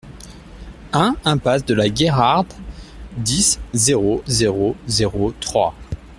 un impasse de la Guerarde, dix, zéro zéro zéro, Troyes